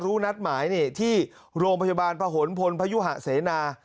นัดหมายที่โรงพยาบาลพะหนพลพยุหะเสนา